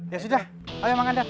ya sudah ayo mang kandar